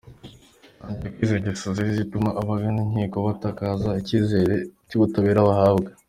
Yongeyeho ko izi ngeso ziri zituma abagana inkiko batakaza icyizere cy’ubutabera bahabwa.